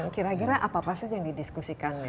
kira kira apa apa saja yang didiskusikan